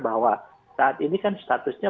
bahwa saat ini kan statusnya